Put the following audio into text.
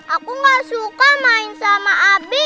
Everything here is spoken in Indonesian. aku gak suka main sama abe